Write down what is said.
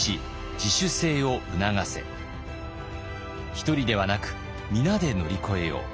一人ではなく皆で乗り越えよう。